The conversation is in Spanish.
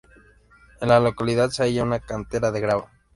En la localidad se halla una cantera de grava.